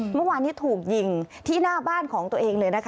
เมื่อวานนี้ถูกยิงที่หน้าบ้านของตัวเองเลยนะคะ